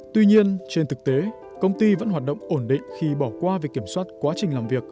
tuy nhiên trên thực tế công ty vẫn hoạt động ổn định khi bỏ qua việc kiểm soát quá trình làm việc